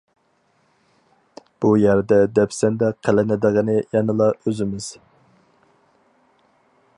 بۇ يەردە دەپسەندە قىلىنىدىغىنى يەنىلا ئۆزىمىز.